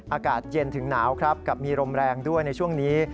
อากาศเย็นถึงหนาวครับกับมีลมแรงด้วยในช่วงนี้